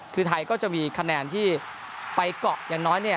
คือไทยก็จะมีคะแนนที่ไปเกาะอย่างน้อยเนี่ย